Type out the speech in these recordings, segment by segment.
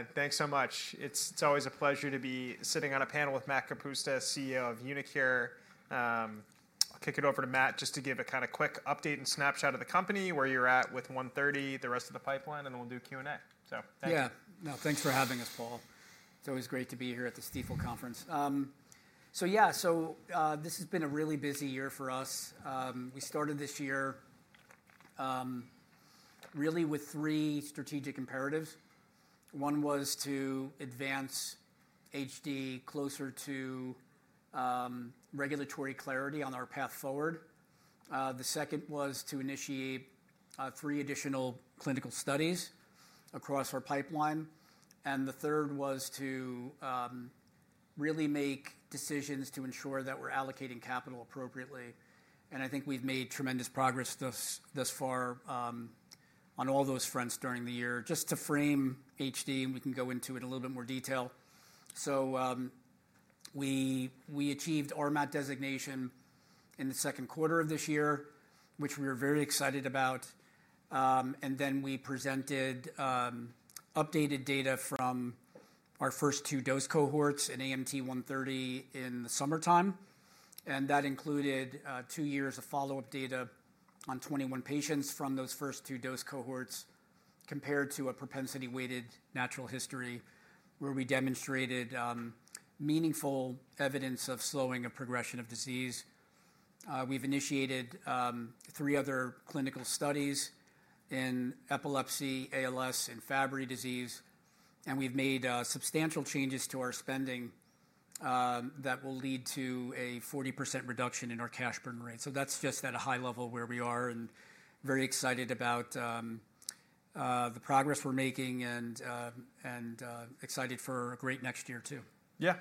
All right. Thanks so much. It's always a pleasure to be sitting on a panel with Matt Kapusta, CEO of uniQure. I'll kick it over to Matt just to give a kind of quick update and snapshot of the company, where you're at with 130, the rest of the pipeline, and then we'll do Q&A. So thanks. Yeah. No, thanks for having us, Paul. It's always great to be here at the Stifel Conference. So yeah, so this has been a really busy year for us. We started this year really with three strategic imperatives. One was to advance HD closer to regulatory clarity on our path forward. The second was to initiate three additional clinical studies across our pipeline. And the third was to really make decisions to ensure that we're allocating capital appropriately. And I think we've made tremendous progress thus far on all those fronts during the year, just to frame HD, and we can go into it in a little bit more detail. We achieved our RMAT designation in the second quarter of this year, which we were very excited about. And then we presented updated data from our first two dose cohorts in AMT-130 in the summertime. And that included two years of follow-up data on 21 patients from those first two dose cohorts compared to a propensity-weighted natural history, where we demonstrated meaningful evidence of slowing of progression of disease. We've initiated three other clinical studies in epilepsy, ALS, and Fabry disease. And we've made substantial changes to our spending that will lead to a 40% reduction in our cash burn rate. So that's just at a high level where we are, and very excited about the progress we're making, and excited for a great next year, too. Yeah.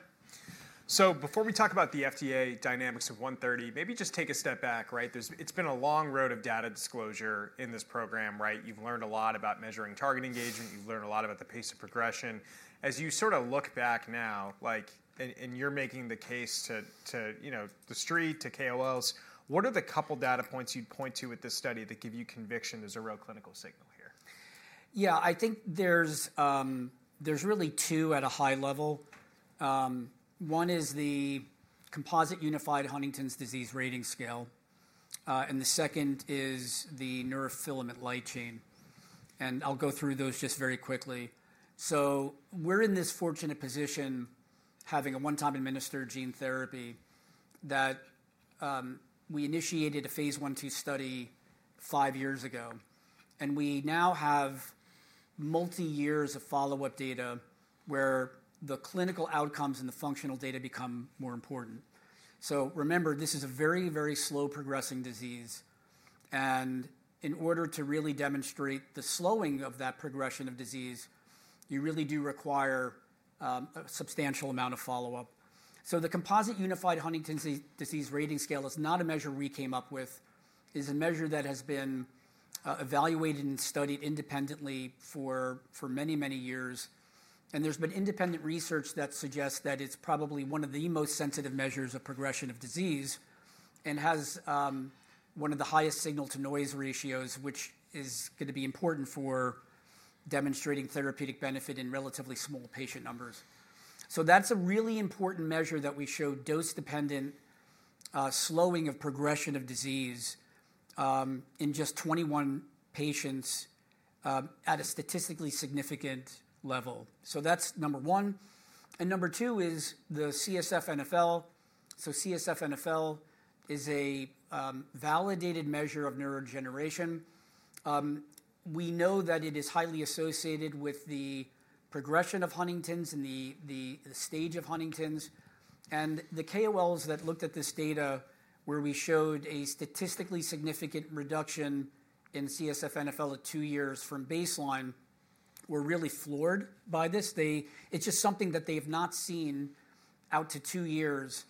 So before we talk about the FDA dynamics of 130, maybe just take a step back, right? It's been a long road of data disclosure in this program, right? You've learned a lot about measuring target engagement. You've learned a lot about the pace of progression. As you sort of look back now, and you're making the case to the street, to KOLs, what are the couple data points you'd point to with this study that give you conviction there's a real clinical signal here? Yeah, I think there's really two at a high level. One is the Composite Unified Huntington's Disease Rating Scale. And the second is the neurofilament light chain. And I'll go through those just very quickly. So we're in this fortunate position, having a one-time administered gene therapy, that we initiated a phase one two study five years ago. And we now have multi-years of follow-up data where the clinical outcomes and the functional data become more important. So remember, this is a very, very slow progressing disease. And in order to really demonstrate the slowing of that progression of disease, you really do require a substantial amount of follow-up. So the Composite Unified Huntington's Disease Rating Scale is not a measure we came up with. It's a measure that has been evaluated and studied independently for many, many years. There's been independent research that suggests that it's probably one of the most sensitive measures of progression of disease and has one of the highest signal-to-noise ratios, which is going to be important for demonstrating therapeutic benefit in relatively small patient numbers. So that's a really important measure that we showed dose-dependent slowing of progression of disease in just 21 patients at a statistically significant level. So that's number one. And number two is the CSF NfL. So CSF NfL is a validated measure of neurodegeneration. We know that it is highly associated with the progression of Huntington's and the stage of Huntington's. And the KOLs that looked at this data, where we showed a statistically significant reduction in CSF NfL at two years from baseline, were really floored by this. It's just something that they have not seen out to two years.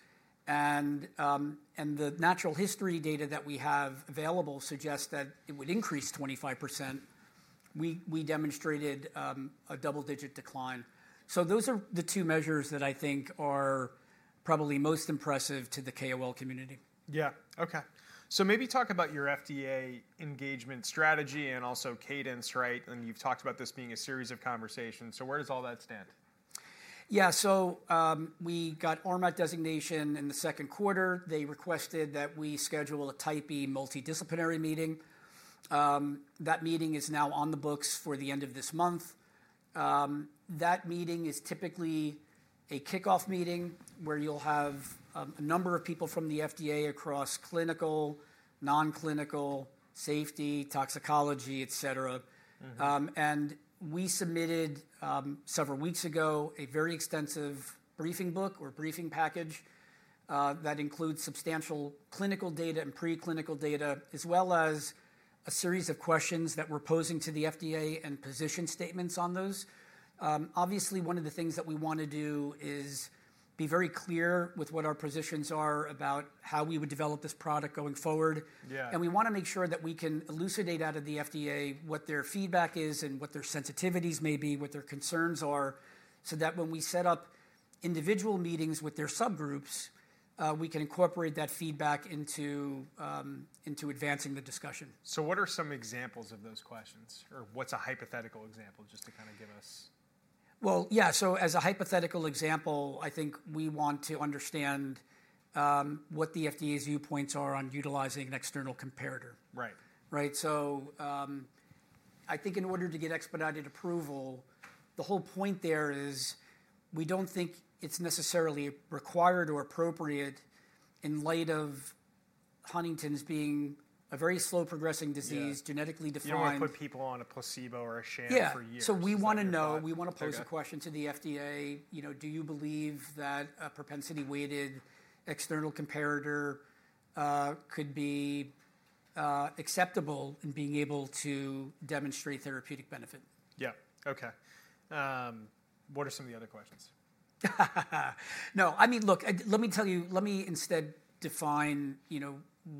And the natural history data that we have available suggests that it would increase 25%. We demonstrated a double-digit decline. So those are the two measures that I think are probably most impressive to the KOL community. Yeah. OK. So maybe talk about your FDA engagement strategy and also cadence, right? And you've talked about this being a series of conversations. So where does all that stand? Yeah. So we got our RMAT designation in the second quarter. They requested that we schedule a type B multidisciplinary meeting. That meeting is now on the books for the end of this month. That meeting is typically a kickoff meeting where you'll have a number of people from the FDA across clinical, nonclinical, safety, toxicology, et cetera. And we submitted several weeks ago a very extensive briefing book or briefing package that includes substantial clinical data and preclinical data, as well as a series of questions that we're posing to the FDA and position statements on those. Obviously, one of the things that we want to do is be very clear with what our positions are about how we would develop this product going forward. We want to make sure that we can elucidate out of the FDA what their feedback is and what their sensitivities may be, what their concerns are, so that when we set up individual meetings with their subgroups, we can incorporate that feedback into advancing the discussion. What are some examples of those questions? Or what's a hypothetical example, just to kind of give us? Well, yeah. So as a hypothetical example, I think we want to understand what the FDA's viewpoints are on utilizing an external comparator. Right. Right? So I think in order to get expedited approval, the whole point there is we don't think it's necessarily required or appropriate in light of Huntington's being a very slow progressing disease, genetically defined. You don't want to put people on a placebo or a sham for years. Yeah, so we want to know. We want to pose a question to the FDA. Do you believe that a propensity-weighted external comparator could be acceptable in being able to demonstrate therapeutic benefit? Yeah. OK. What are some of the other questions? No. I mean, look, let me tell you, let me instead define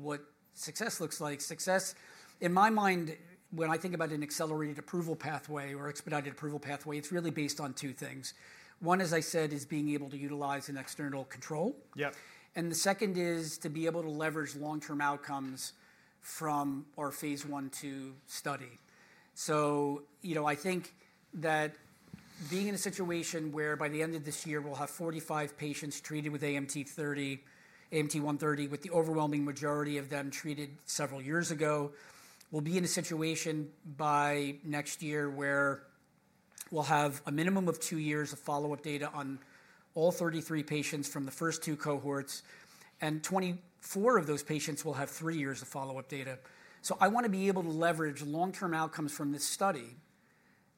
what success looks like. Success, in my mind, when I think about an accelerated approval pathway or expedited approval pathway, it's really based on two things. One, as I said, is being able to utilize an external control. Yeah. The second is to be able to leverage long-term outcomes from our phase 1/2 study. I think that being in a situation where by the end of this year, we'll have 45 patients treated with AMT-130, with the overwhelming majority of them treated several years ago, we'll be in a situation by next year where we'll have a minimum of two years of follow-up data on all 33 patients from the first two cohorts. 24 of those patients will have three years of follow-up data. I want to be able to leverage long-term outcomes from this study,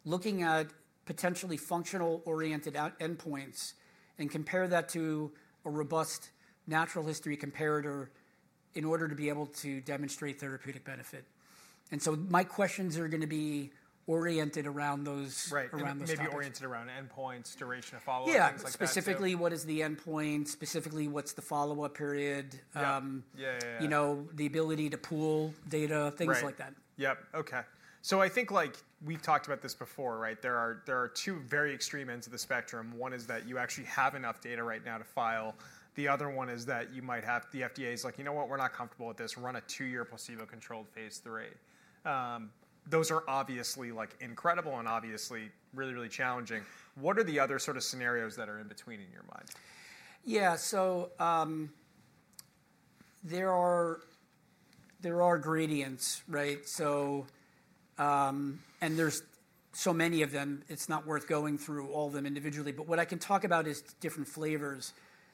looking at potentially functional-oriented endpoints, and compare that to a robust natural history comparator in order to be able to demonstrate therapeutic benefit. My questions are going to be oriented around those. Right. Maybe oriented around endpoints, duration of follow-up, things like that. Yeah. Specifically, what is the endpoint? Specifically, what's the follow-up period? Yeah. Yeah, yeah, yeah. The ability to pool data, things like that. Right. Yep. OK. So I think we've talked about this before, right? There are two very extreme ends of the spectrum. One is that you actually have enough data right now to file. The other one is that the FDA is like, you know what? We're not comfortable with this. Run a two-year placebo-controlled phase three. Those are obviously incredible and obviously really, really challenging. What are the other sort of scenarios that are in between in your mind? Yeah. So there are gradients, right? And there's so many of them. It's not worth going through all of them individually. But what I can talk about is different flavors.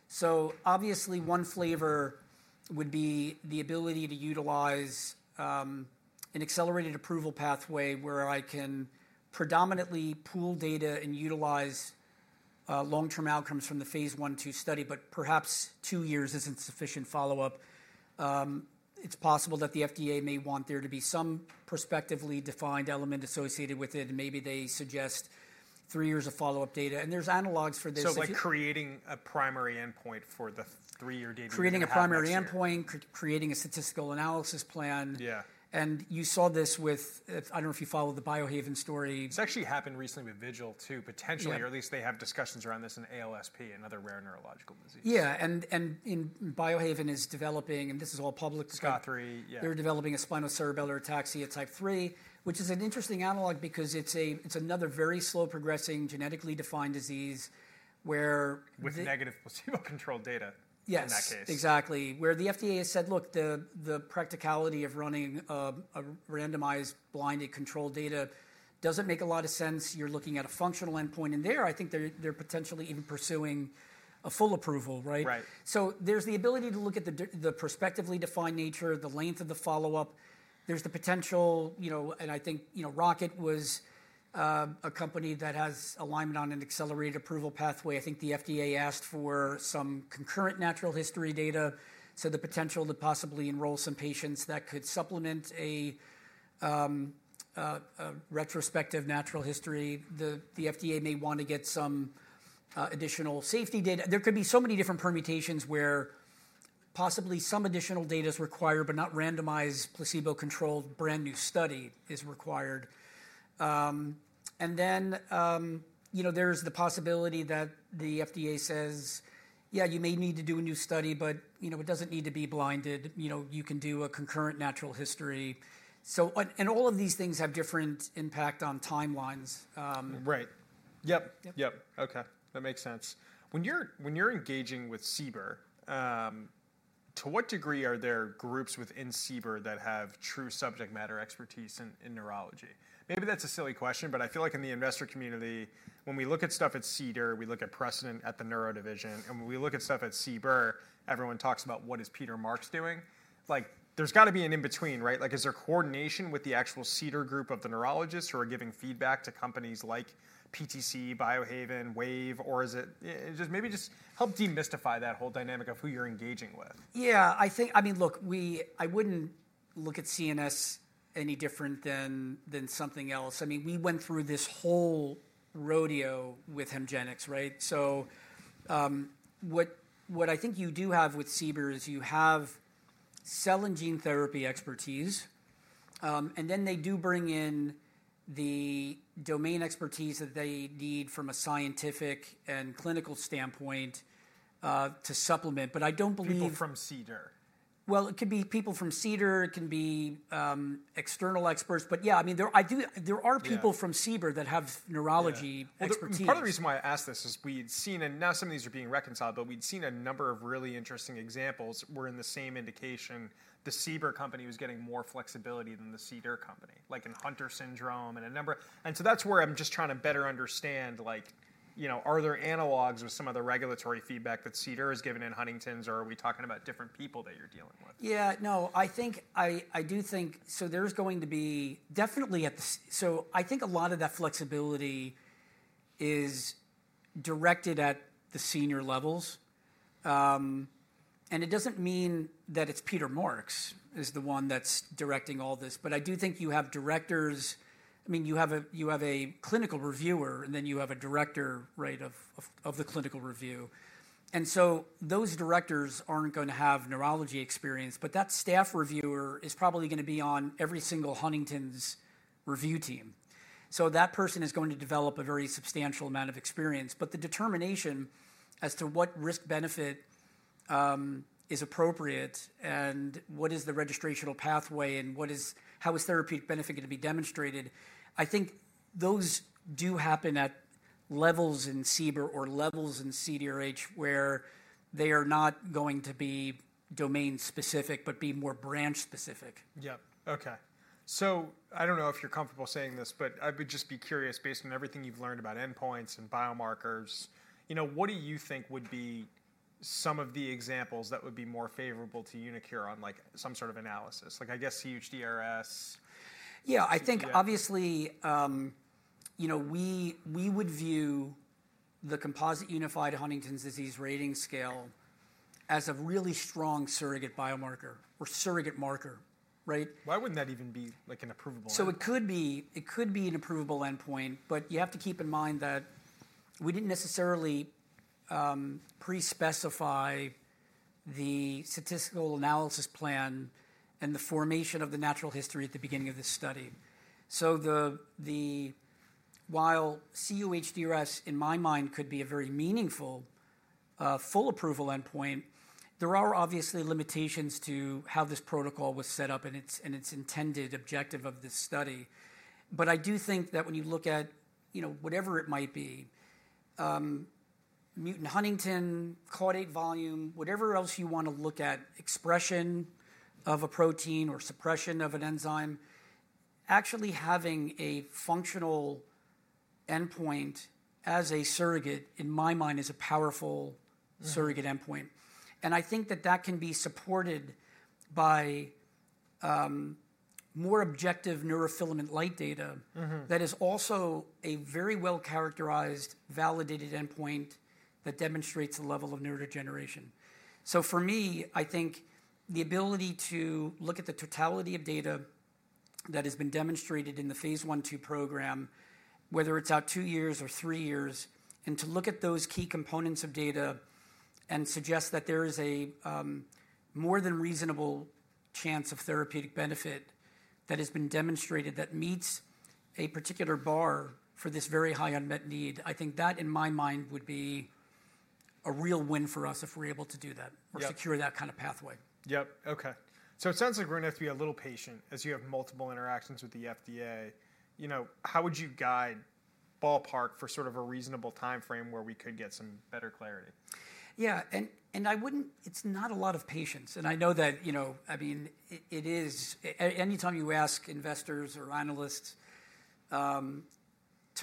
So obviously, one flavor would be the ability to utilize an accelerated approval pathway where I can predominantly pool data and utilize long-term outcomes from the phase 1/2 study. But perhaps two years isn't sufficient follow-up. It's possible that the FDA may want there to be some prospectively defined element associated with it. And maybe they suggest three years of follow-up data. And there's analogs for this. Like creating a primary endpoint for the three-year data? Creating a primary endpoint, creating a statistical analysis plan. Yeah. You saw this with, I don't know if you followed the Biohaven story. It's actually happened recently with Vigil, too, potentially. Or at least they have discussions around this in ALSP, another rare neurological disease. Yeah. And Biohaven is developing, and this is all public. SCOTHRY. They're developing a spinocerebellar ataxia type 3, which is an interesting analog because it's another very slow progressing genetically defined disease where. With negative placebo-controlled data in that case. Yes. Exactly. Where the FDA has said, look, the practicality of running a randomized blinded control data doesn't make a lot of sense. You're looking at a functional endpoint. And there, I think they're potentially even pursuing a full approval, right? Right. There's the ability to look at the prospectively defined nature, the length of the follow-up. There's the potential, and I think Rocket Pharmaceuticals was a company that has alignment on an accelerated approval pathway. I think the FDA asked for some concurrent natural history data, so the potential to possibly enroll some patients that could supplement a retrospective natural history. The FDA may want to get some additional safety data. There could be so many different permutations where possibly some additional data is required, but not randomized placebo-controlled brand new study is required. And then there's the possibility that the FDA says, yeah, you may need to do a new study, but it doesn't need to be blinded. You can do a concurrent natural history. And all of these things have different impact on timelines. Right. Yep. Yep. OK. That makes sense. When you're engaging with CBER, to what degree are there groups within CBER that have true subject matter expertise in neurology? Maybe that's a silly question, but I feel like in the investor community, when we look at stuff at CDER, we look at precedent at the neuro division, and when we look at stuff at CBER, everyone talks about what is Peter Marks doing. There's got to be an in between, right? Is there coordination with the actual CDER group of the neurologists who are giving feedback to companies like PTC, Biohaven, Wave? Or maybe just help demystify that whole dynamic of who you're engaging with. Yeah. I think, I mean, look, I wouldn't look at CNS any different than something else. I mean, we went through this whole rodeo with HEMGENIX, right? So what I think you do have with CBER is you have cell and gene therapy expertise. And then they do bring in the domain expertise that they need from a scientific and clinical standpoint to supplement. But I don't believe. People from CDER. It could be people from CDER. It can be external experts. But yeah, I mean, there are people from CBER that have neurology expertise. Part of the reason why I ask this is we'd seen, and now some of these are being reconciled, but we'd seen a number of really interesting examples where in the same indication, the CBER company was getting more flexibility than the CDER company, like in Hunter syndrome and a number. And so that's where I'm just trying to better understand, are there analogs with some of the regulatory feedback that CDER has given in Huntington's? Or are we talking about different people that you're dealing with? Yeah. No. I do think, so there's going to be definitely, so I think a lot of that flexibility is directed at the senior levels. And it doesn't mean that it's Peter Marks is the one that's directing all this. But I do think you have directors. I mean, you have a clinical reviewer, and then you have a director, right, of the clinical review. And so those directors aren't going to have neurology experience. But that staff reviewer is probably going to be on every single Huntington's review team. So that person is going to develop a very substantial amount of experience. But the determination as to what risk-benefit is appropriate and what is the registrational pathway and how is therapeutic benefit going to be demonstrated, I think those do happen at levels in CBER or levels in CDRH where they are not going to be domain-specific but be more branch-specific. Yep. OK. So I don't know if you're comfortable saying this, but I would just be curious, based on everything you've learned about endpoints and biomarkers, what do you think would be some of the examples that would be more favorable to uniQure on some sort of analysis? I guess cUHDRS. Yeah. I think obviously we would view the Composite Unified Huntington's Disease Rating Scale as a really strong surrogate biomarker or surrogate marker, right? Why wouldn't that even be an approval? It could be an approval endpoint. But you have to keep in mind that we didn't necessarily pre-specify the statistical analysis plan and the formation of the natural history at the beginning of this study. While cUHDRS, in my mind, could be a very meaningful full approval endpoint, there are obviously limitations to how this protocol was set up and its intended objective of this study. I do think that when you look at whatever it might be, mutant huntingtin, caudate volume, whatever else you want to look at, expression of a protein or suppression of an enzyme, actually having a functional endpoint as a surrogate, in my mind, is a powerful surrogate endpoint. I think that that can be supported by more objective neurofilament light data that is also a very well-characterized, validated endpoint that demonstrates the level of neurodegeneration. So for me, I think the ability to look at the totality of data that has been demonstrated in the phase one two program, whether it's out 2 years or 3 years, and to look at those key components of data and suggest that there is a more than reasonable chance of therapeutic benefit that has been demonstrated that meets a particular bar for this very high unmet need. I think that, in my mind, would be a real win for us if we're able to do that or secure that kind of pathway. Yep. OK. So it sounds like we're going to have to be a little patient as you have multiple interactions with the FDA. How would you guide, ballpark, for sort of a reasonable time frame where we could get some better clarity? Yeah. And it's not a lot of patience. And I know that, I mean, it is any time you ask investors or analysts to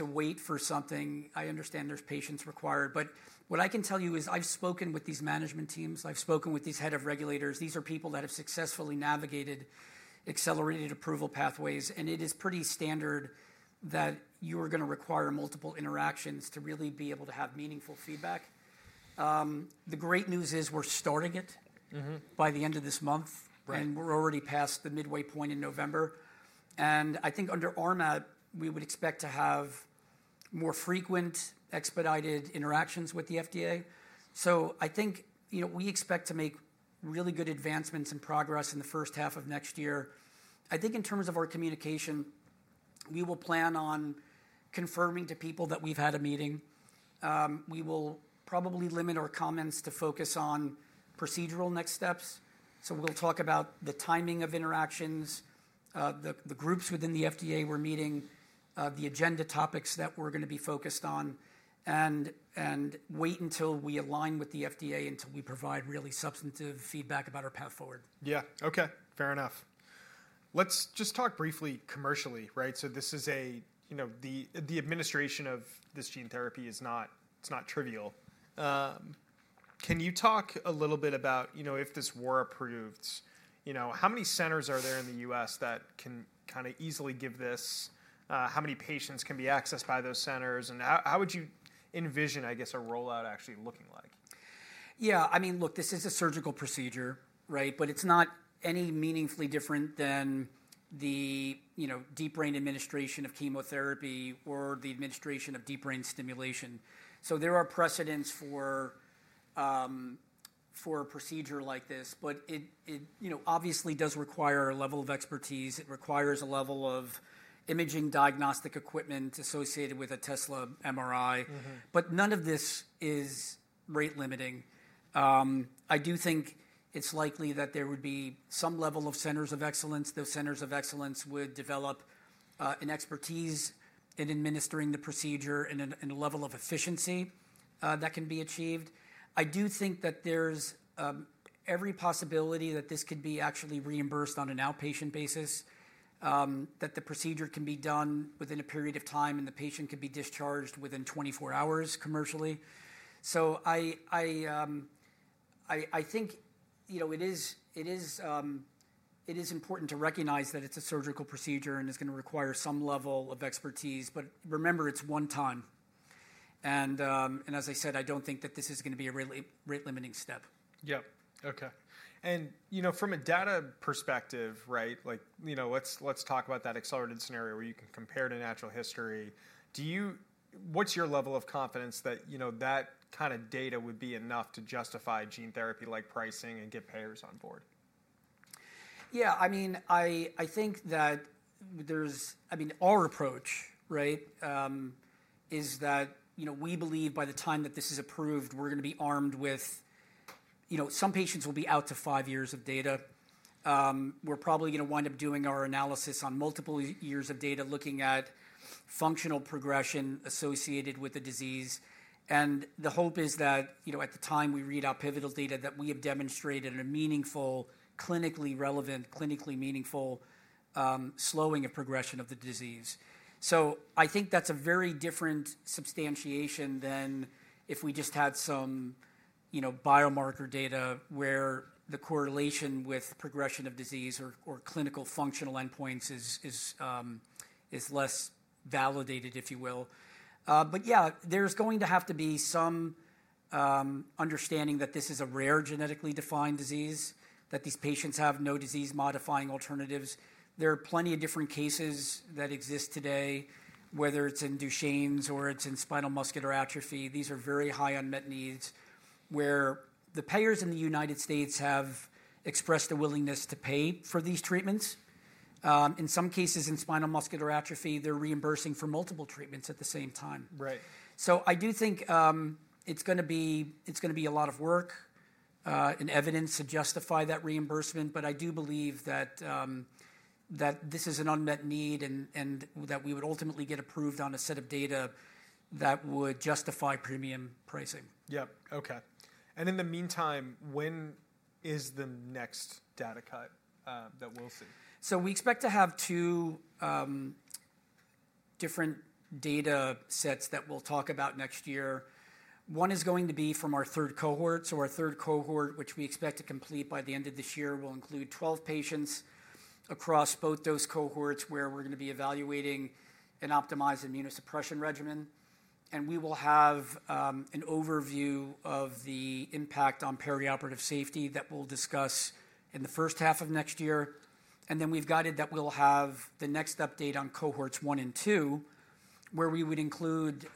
wait for something. I understand there's patience required. But what I can tell you is I've spoken with these management teams. I've spoken with these head of regulators. These are people that have successfully navigated accelerated approval pathways. And it is pretty standard that you are going to require multiple interactions to really be able to have meaningful feedback. The great news is we're starting it by the end of this month. And we're already past the midway point in November. And I think under RMAT, we would expect to have more frequent expedited interactions with the FDA. So I think we expect to make really good advancements and progress in the first half of next year. I think in terms of our communication, we will plan on confirming to people that we've had a meeting. We will probably limit our comments to focus on procedural next steps. So we'll talk about the timing of interactions, the groups within the FDA we're meeting, the agenda topics that we're going to be focused on, and wait until we align with the FDA until we provide really substantive feedback about our path forward. Yeah. OK. Fair enough. Let's just talk briefly commercially, right? So this is the administration of this gene therapy is not trivial. Can you talk a little bit about if this were approved, how many centers are there in the U.S. that can kind of easily give this? How many patients can be accessed by those centers? And how would you envision, I guess, a rollout actually looking like? Yeah. I mean, look, this is a surgical procedure, right? But it's not any meaningfully different than the deep brain administration of chemotherapy or the administration of deep brain stimulation. So there are precedents for a procedure like this. But it obviously does require a level of expertise. It requires a level of imaging diagnostic equipment associated with a Tesla MRI. But none of this is rate limiting. I do think it's likely that there would be some level of centers of excellence. Those centers of excellence would develop an expertise in administering the procedure and a level of efficiency that can be achieved. I do think that there's every possibility that this could be actually reimbursed on an outpatient basis, that the procedure can be done within a period of time, and the patient could be discharged within 24 hours commercially. I think it is important to recognize that it's a surgical procedure and is going to require some level of expertise. Remember, it's one time. As I said, I don't think that this is going to be a rate-limiting step. Yep. OK. And from a data perspective, right, let's talk about that accelerated scenario where you can compare to natural history. What's your level of confidence that that kind of data would be enough to justify gene therapy-like pricing and get payers on board? Yeah. I mean, I think that there's, I mean, our approach, right, is that we believe by the time that this is approved, we're going to be armed with some patients will be out to five years of data. We're probably going to wind up doing our analysis on multiple years of data looking at functional progression associated with the disease. And the hope is that at the time we read out pivotal data that we have demonstrated a meaningful, clinically relevant, clinically meaningful slowing of progression of the disease. So I think that's a very different substantiation than if we just had some biomarker data where the correlation with progression of disease or clinical functional endpoints is less validated, if you will. But yeah, there's going to have to be some understanding that this is a rare genetically defined disease, that these patients have no disease-modifying alternatives. There are plenty of different cases that exist today, whether it's in Duchenne's or it's in spinal muscular atrophy. These are very high unmet needs where the payers in the United States have expressed a willingness to pay for these treatments. In some cases in spinal muscular atrophy, they're reimbursing for multiple treatments at the same time. Right. So I do think it's going to be a lot of work and evidence to justify that reimbursement. But I do believe that this is an unmet need and that we would ultimately get approved on a set of data that would justify premium pricing. Yep. OK. And in the meantime, when is the next data cut that we'll see? We expect to have two different data sets that we'll talk about next year. One is going to be from our third cohort. Our third cohort, which we expect to complete by the end of this year, will include 12 patients across both those cohorts where we're going to be evaluating an optimized immunosuppression regimen. We will have an overview of the impact on perioperative safety that we'll discuss in the first half of next year. Then we've guided that we'll have the next update on cohorts one and two, where we would include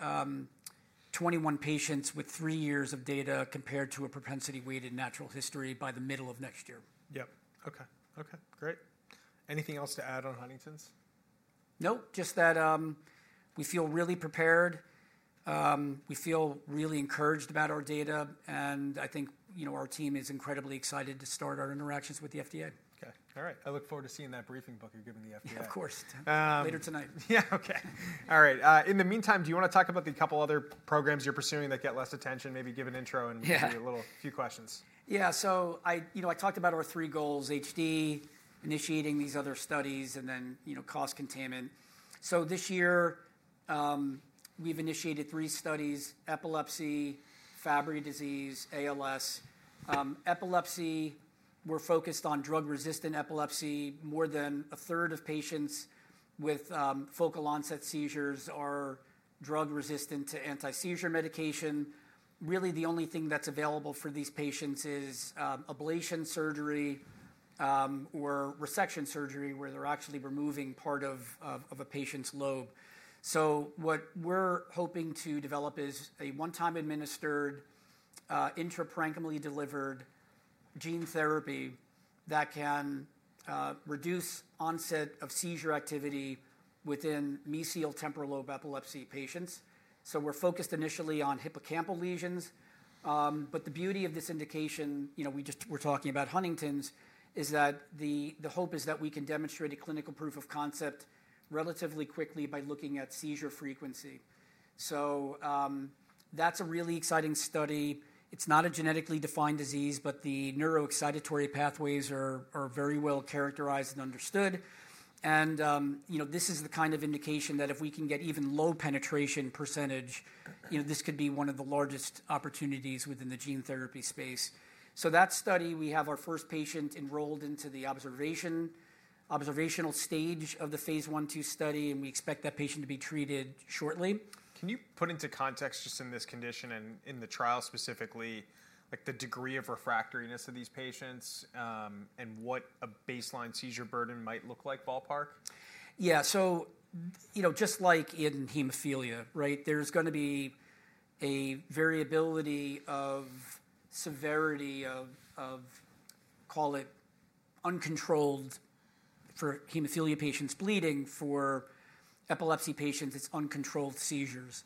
21 patients with 3 years of data compared to a propensity-weighted natural history by the middle of next year. Yep. OK. Great. Anything else to add on Huntington's? No. Just that we feel really prepared. We feel really encouraged about our data, and I think our team is incredibly excited to start our interactions with the FDA. OK. All right. I look forward to seeing that briefing book you're giving the FDA. Of course. Later tonight. Yeah. OK. All right. In the meantime, do you want to talk about the couple other programs you're pursuing that get less attention, maybe give an intro and maybe a few questions? Yeah. So I talked about our three goals: HD, initiating these other studies, and then cost containment. So this year, we've initiated three studies: epilepsy, Fabry disease, ALS. Epilepsy, we're focused on drug-resistant epilepsy. More than a third of patients with focal onset seizures are drug-resistant to anti-seizure medication. Really, the only thing that's available for these patients is ablation surgery or resection surgery, where they're actually removing part of a patient's lobe. So what we're hoping to develop is a one-time-administered, intraparenchymally delivered gene therapy that can reduce onset of seizure activity within mesial temporal lobe epilepsy patients. So we're focused initially on hippocampal lesions. But the beauty of this indication we're talking about Huntington's is that the hope is that we can demonstrate a clinical proof of concept relatively quickly by looking at seizure frequency. So that's a really exciting study. It's not a genetically defined disease, but the neuroexcitatory pathways are very well characterized and understood. And this is the kind of indication that if we can get even low penetration percentage, this could be one of the largest opportunities within the gene therapy space. So that study, we have our first patient enrolled into the observational stage of the phase one two study. And we expect that patient to be treated shortly. Can you put into context just in this condition and in the trial specifically the degree of refractoriness of these patients and what a baseline seizure burden might look like, ballpark? Yeah. So just like in hemophilia, right, there's going to be a variability of severity of, call it, uncontrolled for hemophilia patients' bleeding. For epilepsy patients, it's uncontrolled seizures.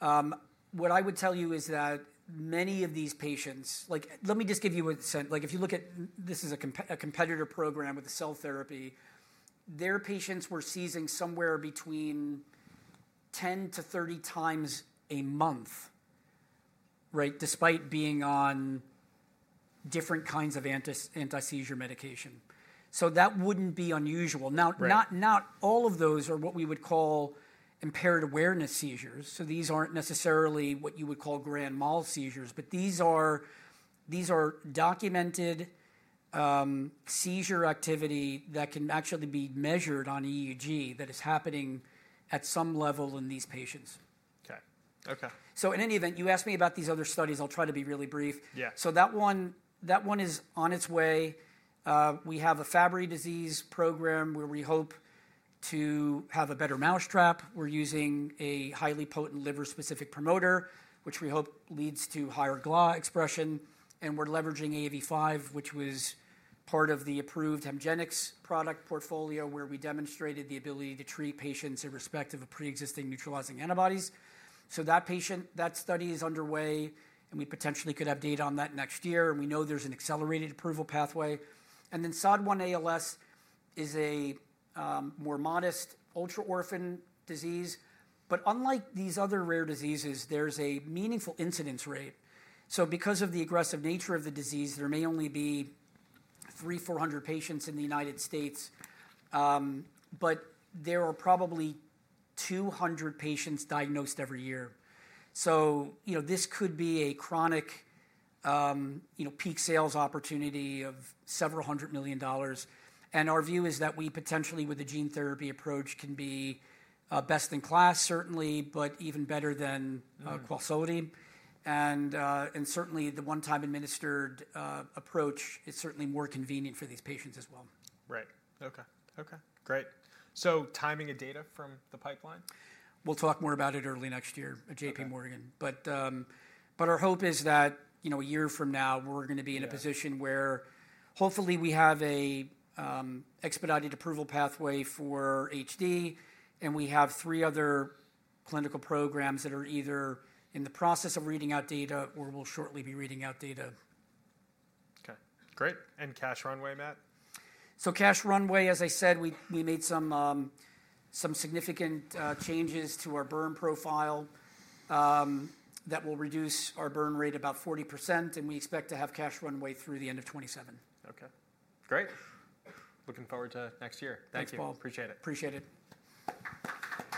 What I would tell you is that many of these patients let me just give you a sense if you look at this as a competitor program with a cell therapy, their patients were seizing somewhere between 10-30 times a month, right, despite being on different kinds of anti-seizure medication. So that wouldn't be unusual. Now, not all of those are what we would call impaired awareness seizures. So these aren't necessarily what you would call grand mal seizures. But these are documented seizure activity that can actually be measured on EEG that is happening at some level in these patients. OK. OK. So in any event, you asked me about these other studies. I'll try to be really brief. Yeah. That one is on its way. We have a Fabry disease program where we hope to have a better mouse trap. We're using a highly potent liver-specific promoter, which we hope leads to higher GLA expression. We're leveraging AAV5, which was part of the approved HEMGENIX product portfolio where we demonstrated the ability to treat patients irrespective of pre-existing neutralizing antibodies. That patient, that study is underway. We potentially could have data on that next year. We know there's an accelerated approval pathway. SOD1-ALS is a more modest ultraorphan disease. Unlike these other rare diseases, there's a meaningful incidence rate. Because of the aggressive nature of the disease, there may only be 300, 400 patients in the United States. There are probably 200 patients diagnosed every year. So this could be a chronic peak sales opportunity of several hundred million dollars. And our view is that we potentially, with a gene therapy approach, can be best in class, certainly, but even better than QALSODY. And certainly, the one-time-administered approach is certainly more convenient for these patients as well. Right. OK. Great. So timing of data from the pipeline? We'll talk more about it early next year at J.P. Morgan, but our hope is that a year from now, we're going to be in a position where hopefully we have an expedited approval pathway for HD, and we have three other clinical programs that are either in the process of reading out data or will shortly be reading out data. OK. Great. And cash runway, Matt? So cash runway, as I said, we made some significant changes to our burn profile that will reduce our burn rate about 40%. And we expect to have cash runway through the end of 2027. OK. Great. Looking forward to next year. Thank you. Thanks, Paul. Appreciate it. Appreciate it.